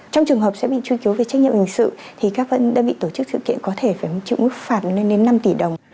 trong trường hợp sẽ bị truy cứu về trách nhiệm hình sự thì các đơn vị tổ chức sự kiện có thể phải chịu mức phạt lên đến năm tỷ đồng